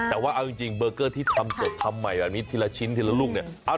แต่ว่าเอาจริงเบอร์เกอร์ที่ทำสดทำใหม่แบบนี้ทีละชิ้นทีละลูกเนี่ย